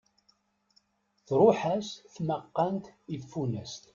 Truḥ-as tmaqqant i tfunast.